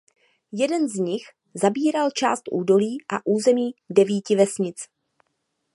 Jeden z nich zabíral část údolí a území devíti vesnic.